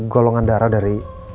golongan darah dari